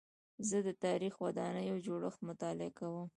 زه د تاریخي ودانیو جوړښت مطالعه کوم.